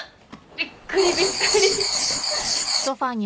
びっくりびっくり。